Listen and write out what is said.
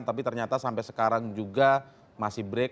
tapi ternyata sampai sekarang juga masih break